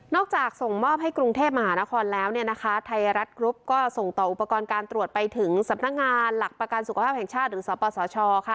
ส่งมอบให้กรุงเทพมหานครแล้วเนี่ยนะคะไทยรัฐกรุ๊ปก็ส่งต่ออุปกรณ์การตรวจไปถึงสำนักงานหลักประกันสุขภาพแห่งชาติหรือสปสชค่ะ